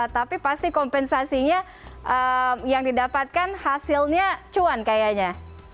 tapi pasti kompensasinya yang didapatkan hasilnya cuan kayaknya